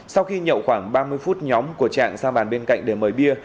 sau khi nhậu khoảng ba mươi phút nhóm của trạng sang bàn bên cạnh để mời bia